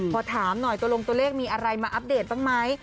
พอถามหน่อยตัวลงตัวเลขมีอะไรมาอัปเดตบ้างไหม